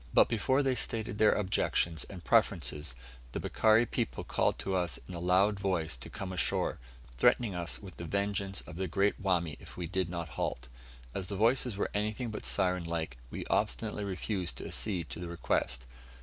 But before they stated their objections and preferences, the Bikari people called to us in a loud voice to come ashore, threatening us with the vengeance of the great Wami if we did not halt. As the voices were anything but siren like, we obstinately refused to accede to the request.